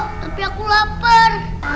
tapi aku lapar